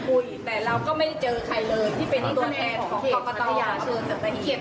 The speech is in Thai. กรกฎาลอาชญาสัตว์ตะหิบนะคะ